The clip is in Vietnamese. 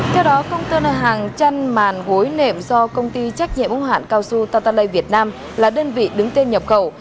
theo đó công tơ nợ hàng chăn màn gối nệm do công ty trách nhiệm hóa hạn cao su tatalay việt nam là đơn vị đứng tên nhập khẩu